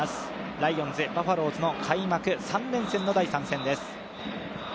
ライオンズ×バファローズの開幕３連戦の第３戦です。